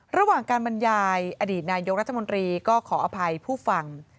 ระหว่างการบรรยายอดีตนายกรัฐมนตรีก็ขออภัยผู้ฟัง